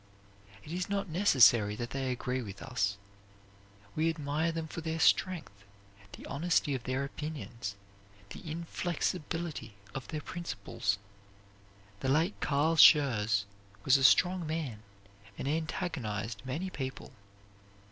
It is not necessary that they agree with us. We admire them for their strength, the honesty of their opinions, the inflexibility of their principles. The late Carl Schurz was a strong man and antagonized many people.